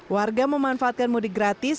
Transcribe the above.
warga memanfaatkan mudik gratis